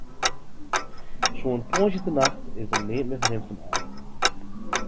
Sûnt tongersdeitenacht is neat mear fan him fernaam.